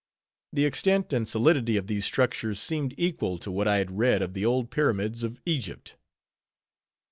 The extent and solidity of these structures, seemed equal to what I had read of the old Pyramids of Egypt.